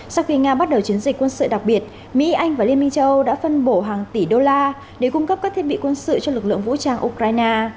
sau khi nga bắt đầu chiến dịch quân sự đặc biệt mỹ anh và liên minh châu âu đã phân bổ hàng tỷ đô la để cung cấp các thiết bị quân sự cho lực lượng vũ trang ukraine